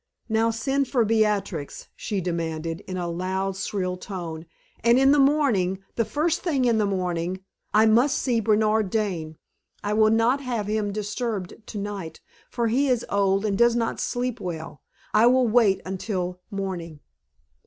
"Now send for Beatrix!" she demanded, in a loud, shrill tone. "And in the morning the first thing in the morning I must see Bernard Dane. I will not have him disturbed tonight, for he is old and does not sleep well. I will wait until morning."